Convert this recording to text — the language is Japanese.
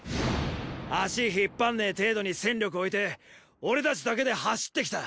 足引っ張んねぇ程度に戦力置いて俺たちだけで走って来た。